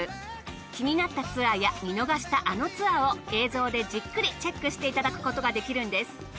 気になったツアーや見逃したあのツアーを映像でじっくりチェックしていただくことができるんです。